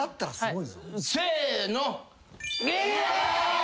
せの。